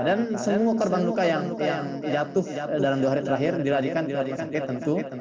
dan semua korban luka yang jatuh dalam dua hari terakhir diladikan di rumah sakit tentu